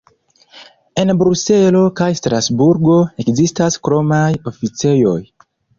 En Bruselo kaj Strasburgo ekzistas kromaj oficejoj.